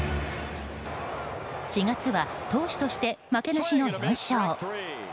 ４月は投手として負けなしの４勝。